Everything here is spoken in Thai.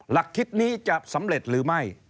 หลักคิดนี้จะสำเร็จหรือไม่